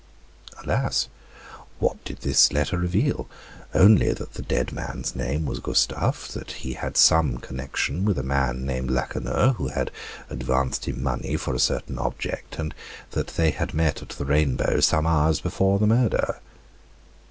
Alas! what did this letter reveal? Only that the dead man's name was Gustave; that he had some connection with a man named Lacheneur, who had advanced him money for a certain object; and that they had met at the Rainbow some hours before the murder.